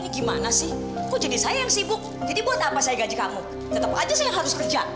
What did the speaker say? gimana sih kok jadi saya yang sibuk jadi buat apa saya gaji kamu tetap aja saya harus kerja